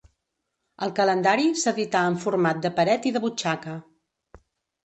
El calendari s'edità en format de paret i de butxaca.